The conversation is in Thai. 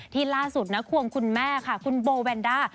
ล่าสุดนะควงคุณแม่ค่ะคุณโบแวนด้า